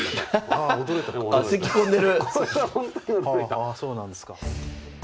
ああそうなんですか。